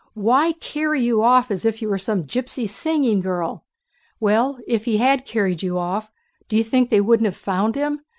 Why carry you off as if you were some gypsy singing girl?... Well, if he had carried you off... do you think they wouldn't have found him?